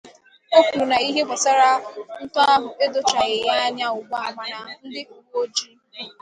O kwuru na ihe gbasara ntọ ahụ edochaghị ha anya ugbua mana ndị Uweojii